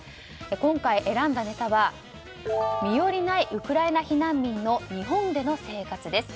今回選んだネタは身寄りないウクライナ避難民の日本での生活です。